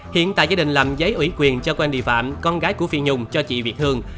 hiện tại gia đình làm giấy ủy quyền cho quen địa phạm con gái của phi nhung cho chị việt hương